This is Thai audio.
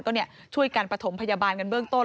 ก็ช่วยกันประถมพยาบาลกันเบื้องต้น